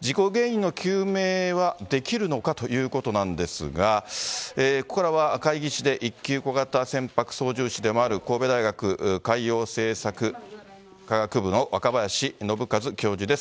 事故原因の究明はできるのかということなんですが、ここからは海技士で１級小型船舶操縦士でもある神戸大学海洋政策科学部の若林伸和教授です。